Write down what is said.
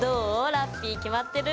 ラッピィ決まってる？